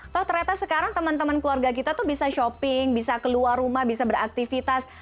toh ternyata sekarang teman teman keluarga kita tuh bisa shopping bisa keluar rumah bisa beraktivitas